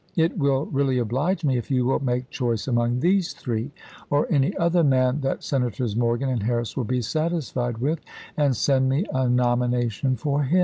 It will really oblige me if you will make choice among these three, or any other man that Senators Morgan and Harris will be satisfied with, chase, and send me a nomination for him."